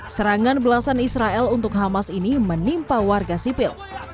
serangan belasan israel untuk hamas ini menimpa warga sipil